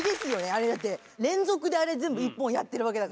あれだって連続であれ全部１本やってるわけだから。